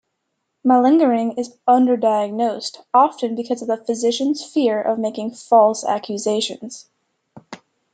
Malingering is underdiagnosed, often because of the physician's fear of making false accusations.